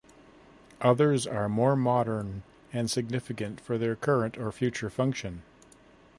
Others are more modern and significant for their current or future function.